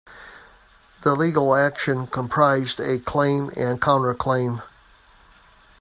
The legal action comprised a claim and counterclaim.